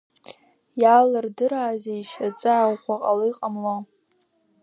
Иалырдыраазеишь, аҵаа ӷәӷәа ҟало, иҟамло?